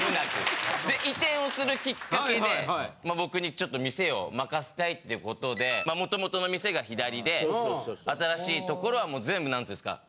移転をするきっかけでまあ僕にちょっと店を任せたいっていうことで元々の店が左で新しい所はもう全部なんて言うんですか